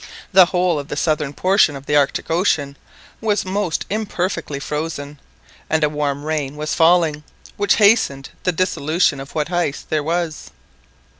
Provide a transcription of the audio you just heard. The whole of the southern portion of the Arctic Ocean was most imperfectly frozen, and a warm rain was falling, which hastened the dissolution of what ice there was.